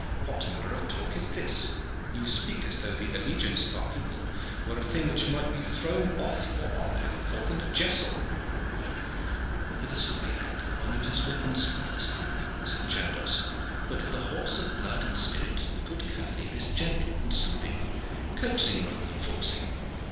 "What manner of talk is this? You speak as though the allegiance of our people were a thing which might be thrown off or on like a falcon's jessel." "With a sorry hack one uses whip and spur, sire," said Chandos; "but with a horse of blood and spirit a good cavalier is gentle and soothing, coaxing rather than forcing.